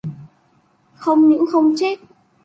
không những không chết